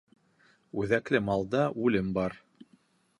Үҙәкле малда үлем бар.